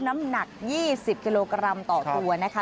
น้ำหนัก๒๐กิโลกรัมต่อตัวนะคะ